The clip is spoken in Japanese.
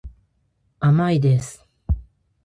甘いです。